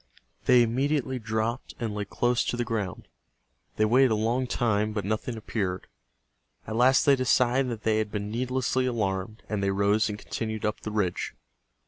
They immediately dropped and lay close to the ground. They waited a long time, but nothing appeared. At last they decided that they had been needlessly alarmed, and they rose and continued up the ridge.